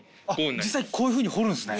実際こういうふうに掘るんすね。